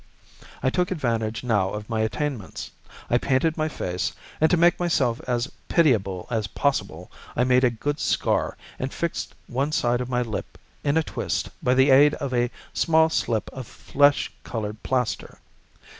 I took advantage now of my attainments. I painted my face, and to make myself as pitiable as possible I made a good scar and fixed one side of my lip in a twist by the aid of a small slip of flesh coloured plaster.